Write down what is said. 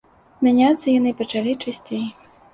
Мяняцца яны пачалі часцей.